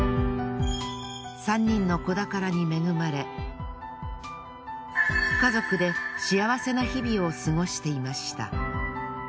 ３人の子宝に恵まれ家族で幸せな日々を過ごしていました。